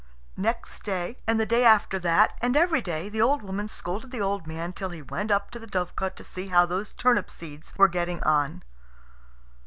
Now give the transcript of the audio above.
Next day, and the day after that and every day, the old woman scolded the old man till he went up to the dovecot to see how those turnip seeds were getting on.